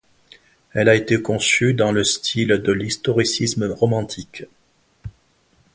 Elle a été conçue dans le style de l'historicisme romantique.